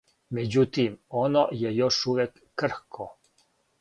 Меđутим, оно је још увијек крхко.